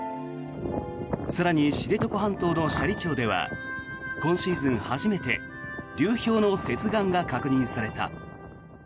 更に、知床半島の斜里町では今シーズン初めて流氷の接岸が確認された。